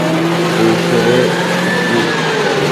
তুই সেরে উঠবি, আজাগী।